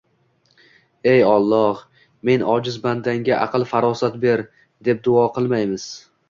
“Ey Alloh, men ojiz bandangga aql-farosat ber!” deb duo qilmaymiz.